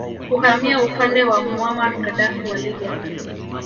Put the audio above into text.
kuhamia upande wa Muammar Gaddafi wa Libya